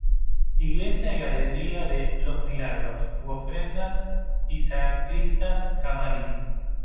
Iglesia y galería de "los milagros" u ofrendas y sacristía-camarín.